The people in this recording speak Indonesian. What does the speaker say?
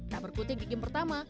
tak berkutik di game pertama